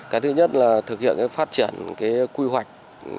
cái thứ nhất là thực hiện phát triển cái quy hoạch